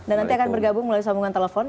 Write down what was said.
dan nanti akan bergabung melalui sambungan telepon